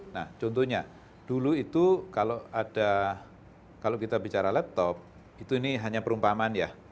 nah contohnya dulu itu kalau ada kalau kita bicara laptop itu ini hanya perumpamaan ya